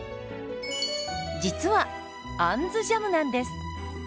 実は「あんずジャム」なんです。